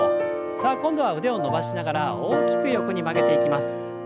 さあ今度は腕を伸ばしながら大きく横に曲げていきます。